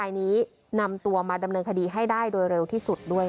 อัศวินธรรมชาติ